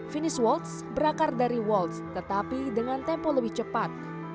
finish waltz berakar dari waltz tetapi dengan tempo lebih cepat